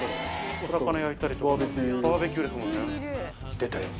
お魚焼いたりとかバーベキューですもんね。